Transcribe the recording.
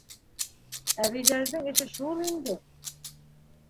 — Әбейҙәрҙең эше шул инде.